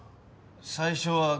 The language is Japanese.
最初は。